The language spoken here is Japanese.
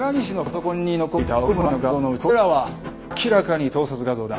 これらは明らかに盗撮画像だ。